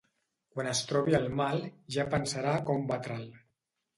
Quan es trobi el mal, ja pensarà com batre'l.